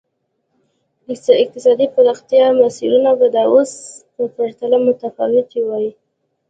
اقتصادي پراختیا مسیرونه به د اوس په پرتله متفاوت وای.